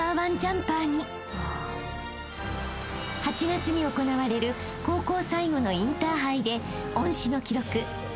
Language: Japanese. ［８月に行われる高校最後のインターハイで恩師の記録